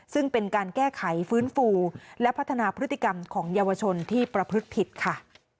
ซึ่งเป็นการแก้ไขฟื้นฟูและพัฒนาพฤติกรรมของเยาวชนที่ประพฤติผิดค่ะ